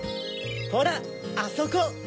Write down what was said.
ほらあそこ。